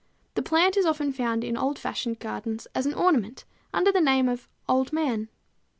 The plant is often found in old fashioned gardens as an ornamental under the name of Old Man.